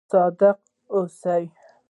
صادق اوسئ